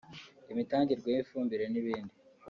imitangirwe y’ifumbire n’ibindi